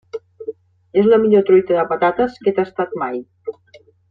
És la millor truita de patates que he tastat mai.